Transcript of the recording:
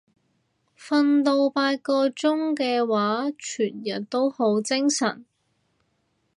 瞓到八個鐘嘅話全日都好精神